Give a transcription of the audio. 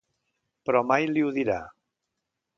Però mai li ho dirà.